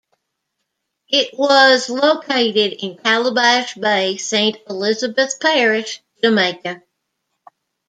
It was located in Calabash Bay, Saint Elizabeth Parish, Jamaica.